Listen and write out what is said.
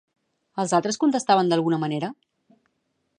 Els altres contestaven d'alguna manera?